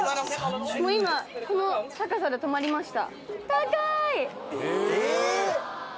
もう今この高さで止まりました。